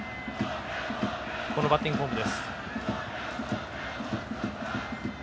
このバッティングフォーム。